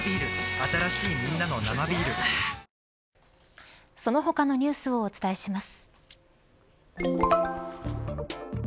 新しいみんなの「生ビール」その他のニュースをお伝えします。